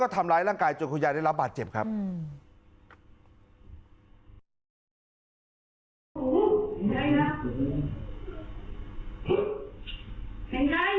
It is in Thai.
ทำร้ายร่างกายจนคุณยายได้รับบาดเจ็บครับ